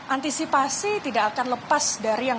antisipasi tidak akan lepas dari yang